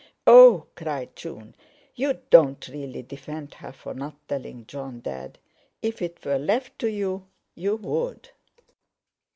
"Oh!" cried June, "you don't really defend her for not telling Jon, Dad. If it were left to you, you would."